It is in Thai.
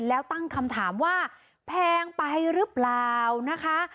แล้วตั้งคำถามว่าแพงไปหรือเปล่านะคะ